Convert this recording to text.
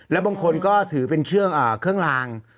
และบางคนถือเป็นชื่องเครื่องราง